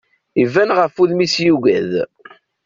Iban ɣef wudem-is yugad.